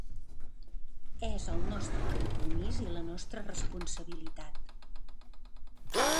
És el nostre compromís i la nostra responsabilitat.